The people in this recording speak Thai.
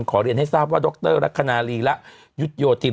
เรียนให้ทราบว่าดรลักษณะลีระยุทธโยธิน